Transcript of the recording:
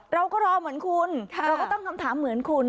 เราก็รอเหมือนคุณเราก็ตั้งคำถามเหมือนคุณ